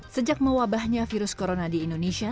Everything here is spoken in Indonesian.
sejak mewabahnya virus corona di indonesia